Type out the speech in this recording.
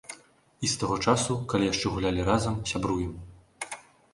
І з таго часу, калі яшчэ гулялі разам, сябруем.